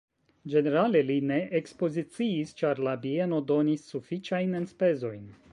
Ĝenerale li ne ekspoziciis, ĉar la bieno donis sufiĉajn enspezojn.